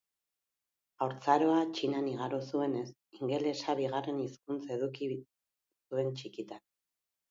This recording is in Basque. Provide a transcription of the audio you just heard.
Haurtzaroa Txinan igaro zuenez, ingelesa bigarren hizkuntz eduki zuen txikitan.